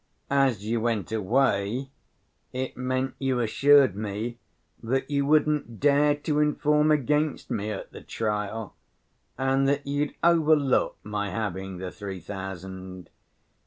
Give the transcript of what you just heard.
As you went away, it meant you assured me that you wouldn't dare to inform against me at the trial, and that you'd overlook my having the three thousand.